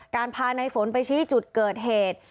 พาในฝนไปชี้จุดเกิดเหตุ